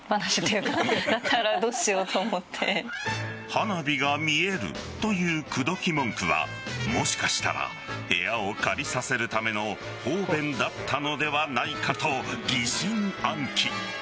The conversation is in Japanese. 花火が見えるという口説き文句はもしかしたら部屋を借りさせるための方便だったのではないかと疑心暗鬼。